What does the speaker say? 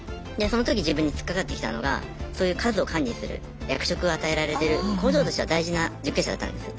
その時自分に突っかかってきたのがそういう数を管理する役職を与えられてる工場としては大事な受刑者だったんです。